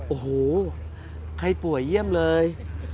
โอ้โหใครป่วยเยี่ยมเลย